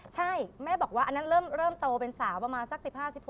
ใช่แม่บอกว่าอันนั้นเริ่มโตเป็นสาวประมาณสัก๑๕๑๖